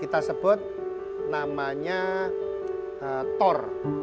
kita sebut namanya tor